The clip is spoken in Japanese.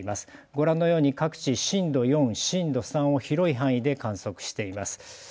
ご覧のように各地震度４、震度３を広い範囲で観測しています。